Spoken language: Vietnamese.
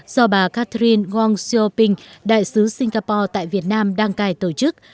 do bà catherine wong siu ping đại sứ singapore tại việt nam đang cài tổ chức